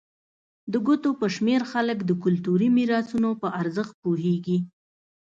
د ګوتو په شمېر خلک د کلتوري میراثونو په ارزښت پوهېږي.